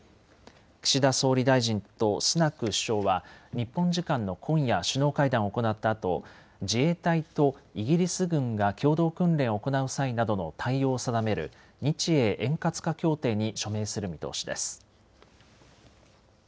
岸田総理大臣とスナク首相は日本時間の今夜、首脳会談を行ったあと自衛隊とイギリス軍が共同訓練を行う際などの対応を定める日英円滑化協定に署名する見通しです。